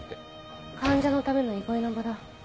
患者のための憩いの場だ。